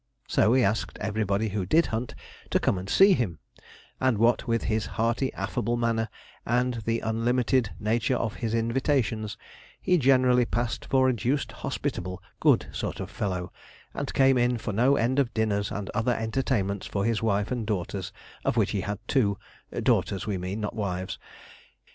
So he asked everybody who did hunt to come and see him; and what with his hearty, affable manner, and the unlimited nature of his invitations, he generally passed for a deuced hospitable, good sort of fellow, and came in for no end of dinners and other entertainments for his wife and daughters, of which he had two daughters, we mean, not wives.